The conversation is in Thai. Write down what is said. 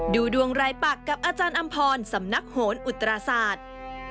ดูดวงรายปักกับอาจารย์อำพรสำนักโหนอุตราศาสตร์